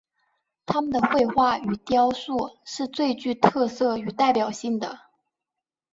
他们的绘画与雕塑是最具特色与代表性的。